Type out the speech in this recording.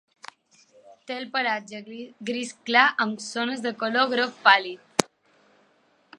Té el pelatge gris clar amb zones de color groc pàl·lid.